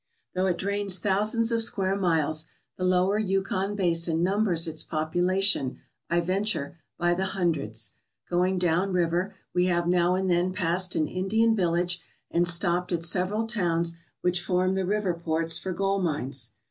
Though it drains thousands of square miles, the Lower Yukon basin numbers its population, I venture, by the hundreds. Going down river, we have now and then passed an Indian village and stopped at several towns which form the river ports for gold mines.